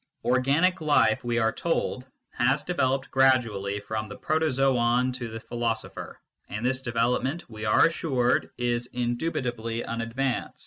Organic life, we are told, has developed gradually from the protozoon to the philosopher, and this development, we are assured, is indubitably an advance.